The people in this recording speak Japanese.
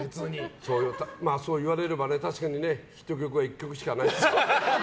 そう言われれば確かにヒット曲は１曲しかない。